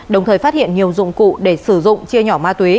đồng thời phát hiện nhiều dụng cụ để sử dụng chia nhỏ ma túy